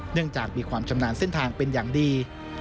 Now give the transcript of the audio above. จากมีความชำนาญเส้นทางเป็นอย่างดี